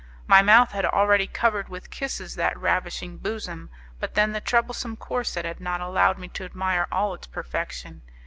My mouth had already covered with kisses that ravishing bosom; but then the troublesome corset had not allowed me to admire all its perfection.